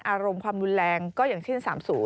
อารมณ์ความรุนแรงก็อย่างเช่น๓๐